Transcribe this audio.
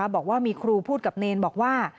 บอกว่ามีครูพูดกับเนรบอกว่า